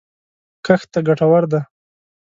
کښت ته ګټور دی